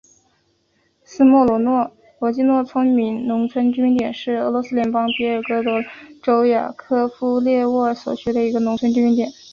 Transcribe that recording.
斯莫罗季诺农村居民点是俄罗斯联邦别尔哥罗德州雅科夫列沃区所属的一个农村居民点。